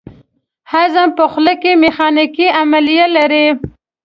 هضم په خوله کې میخانیکي عملیه لري.